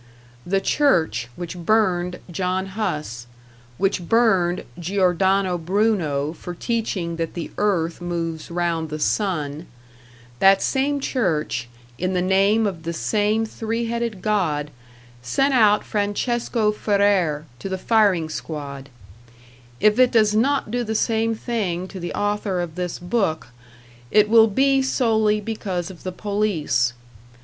The Church which burned John Huss, which burned Giordano Bruno for teaching that the earth moves round the sun that same church, in the name of the same three headed god, sent out Francesco Ferrer to the firing squad; if it does not do the same thing to the author of this book, it will be solely because of the police.